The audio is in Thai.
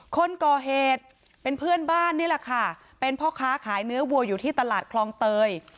คนก่อเหตุเป็นเพื่อนบ้านนี่แหละค่ะเป็นพ่อค้าขายเนื้อวัวอยู่ที่ตลาดคลองเตย